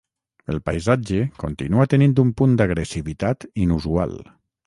El paisatge continua tenint un punt d'agressivitat inusual.